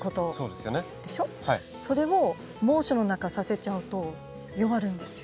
それを猛暑の中させちゃうと弱るんですよ。